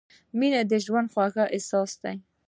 • مینه د ژوند خوږ احساس دی.